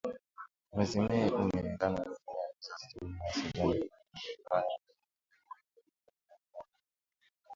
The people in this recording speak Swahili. Mwezi Mei, kumi na tano elfu mia tisa sitini na sita, ndipo matangazo hayo yaliongezewa dakika nyingine thelathini na kuwa matangazo ya saa moja.